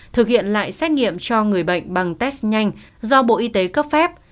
thực hiện lại xét nghiệm cho người bệnh bằng test nhanh do bộ y tế cấp phép